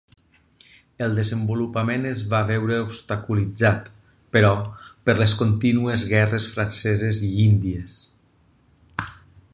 El desenvolupament es va veure obstaculitzat, però, per les contínues guerres franceses i índies.